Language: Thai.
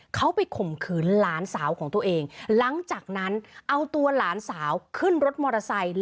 เขาไปข่มขืนหลานสาวของตัวเองหลังจากนั้นเอาตัวหลานสาวขึ้นรถมอเตอร์ไซค์